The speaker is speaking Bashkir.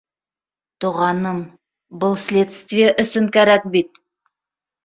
Туғаным, был следствие өсөн кәрәк бит